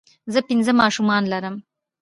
زۀ پنځه ماشومان لرم